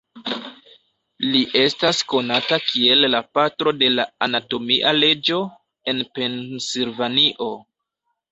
Li estas konata kiel la "Patro de la Anatomia Leĝo" en Pensilvanio.